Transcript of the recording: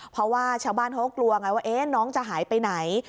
เพราะว่าชาวบ้านเขาก็กลัวไงว่าน้องจะหายไปไหน